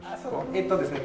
えっとですね